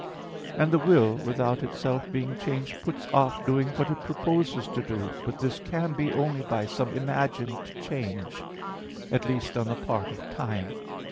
And the will, without itself being changed, puts off doing what it proposes to do; but this can be only by some imagined change, at least on the part of time.